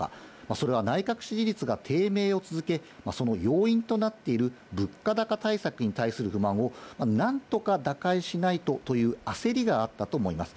それは内閣支持率が低迷を続け、その要因となっている物価高対策に対する不満を、なんとか打開しないとという焦りがあったと思います。